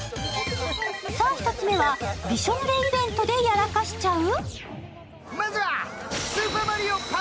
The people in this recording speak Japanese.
さあ１つ目は、びしょぬれイベントでやらかしちゃう！？